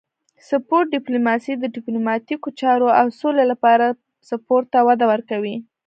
سپورت ډیپلوماسي د ډیپلوماتیکو چارو او سولې لپاره سپورت ته وده ورکوي